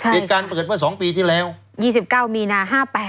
เด็ดการเปิดไปสองปีที่แล้ว๒๐๑๙มีนา๕๘